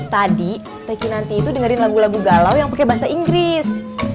tadi teh kinanti itu dengerin lagu lagu galau yang pake bahasa inggris